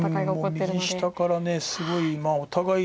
右下からすごいまあお互い。